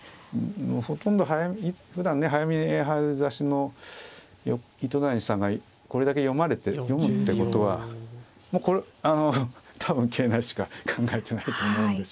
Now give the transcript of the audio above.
ほとんどふだんね早見え早指しの糸谷さんがこれだけ読むってことはもうこれ多分桂成しか考えてないと思うんですよ。